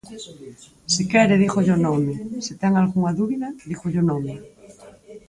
Se quere, dígolle o nome; se ten algunha dúbida, dígolle o nome.